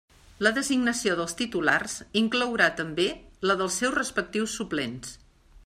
La designació dels titulars inclourà també la dels seus respectius suplents.